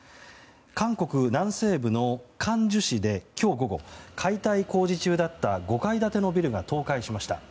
韓国南西部のクァンジュ市で今日午後解体工事中だった５階建てのビルが倒壊しました。